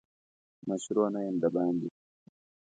مشرو نه یم دباندي.